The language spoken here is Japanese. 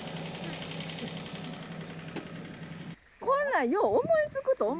こんなんよう思いつくと思いません？